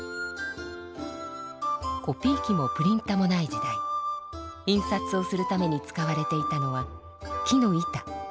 コピー機もプリンタもない時代印刷をするために使われていたのは木の板。